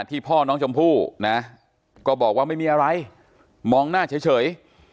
พ่อน้องชมพู่นะก็บอกว่าไม่มีอะไรมองหน้าเฉย